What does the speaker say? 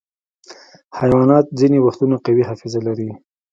حیوانات ځینې وختونه قوي حافظه لري.